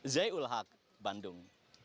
zai ul haq bandung